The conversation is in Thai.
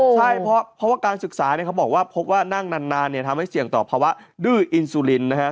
ใช่เพราะว่าการศึกษาเนี่ยเขาบอกว่าพบว่านั่งนานทำให้เสี่ยงต่อภาวะดื้ออินซูลินนะฮะ